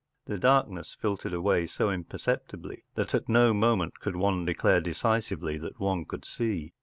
” The darkness filtered away so imper¬ ceptibly that at no moment could one declare decisively that one could see.